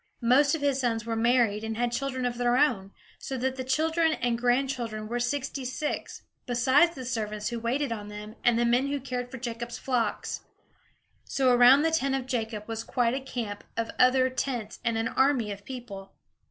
Most of his sons were married and had children of their own; so that the children and grandchildren were sixty six, besides the servants who waited on them, and the men who cared for Jacob's flocks. So around the tent of Jacob was quite a camp of other tents and an army of people.